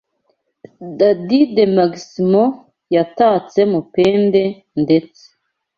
Dadi de Maximo yatatse Mupende ndetse